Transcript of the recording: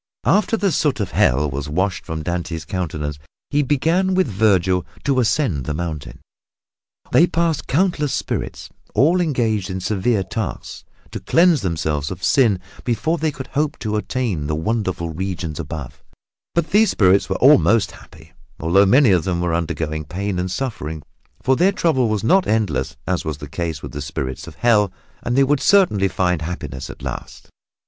After the soot of Hell was washed from Dante's countenance he began with Vergil to ascend the mountain. They passed countless spirits all engaged in severe tasks, to cleanse themselves of sin before they could hope to attain the wonderful regions above; but these spirits were almost happy, although many of them were undergoing pain and suffering, for their trouble was not endless as was the case with the spirits of Hell, and they would certainly find happiness at last.